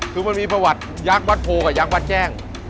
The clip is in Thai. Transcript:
คือมันมีประวัติยักษ์วัดโพกับยักษ์วัดแจ้ง